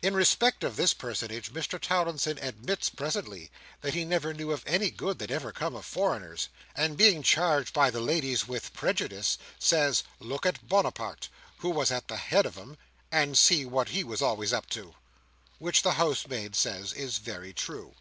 In respect of this personage, Mr Towlinson admits, presently, that he never knew of any good that ever come of foreigners; and being charged by the ladies with prejudice, says, look at Bonaparte who was at the head of 'em, and see what he was always up to! Which the housemaid says is very true.